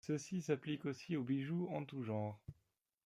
Ceci s’applique aussi aux bijoux en tous genres.